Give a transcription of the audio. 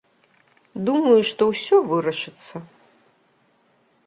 Думаю, што ўсё вырашыцца.